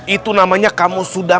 itu namanya kamu sudah